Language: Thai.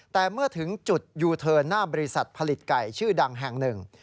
แต่เมื่อถึงจุดยูเทิร์นหน้าบริษัทผลิตไก่ชื่อดังแห่งหนึ่ง